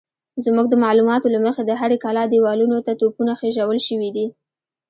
زموږ د معلوماتو له مخې د هرې کلا دېوالونو ته توپونه خېژول شوي دي.